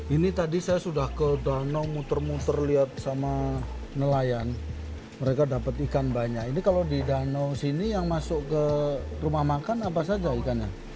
ini tadi saya sudah ke danau muter muter lihat sama nelayan mereka dapat ikan banyak ini kalau di danau sini yang masuk ke rumah makan apa saja ikannya